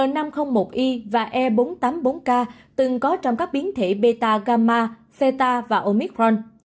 n năm trăm linh một i và e bốn trăm tám mươi bốn k từng có trong các biến thể beta gamma theta và omicron